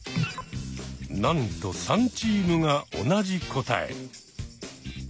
なんと３チームが同じ答え。